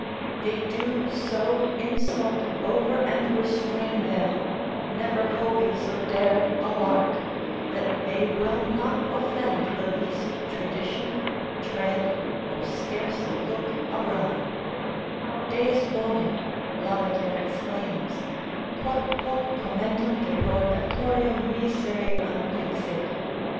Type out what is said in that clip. They do so insult over and restrain them, never hoby so dared a lark, that they will not offend the least tradition, tread, or scarce look awry: Deus bone (Lavater exclaims) quot hoc commentum de purgatorio misere afflixit!